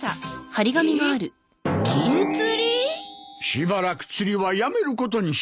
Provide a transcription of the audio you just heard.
しばらく釣りはやめることにした。